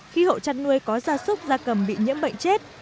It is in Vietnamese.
khi hộ chăn nuôi có da súc da cầm bị nhiễm bệnh chết